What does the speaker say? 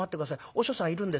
お師匠さんいるんですよ。